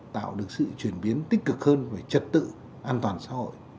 tạo được sự chuyển biến tích cực hơn về trật tự an toàn xã hội